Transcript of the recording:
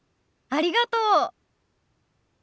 ありがとう。